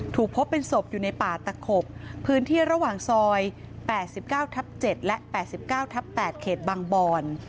พบเป็นศพอยู่ในป่าตะขบพื้นที่ระหว่างซอย๘๙ทับ๗และ๘๙ทับ๘เขตบางบอน